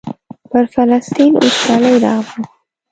پر فلسطین وچکالي راغله.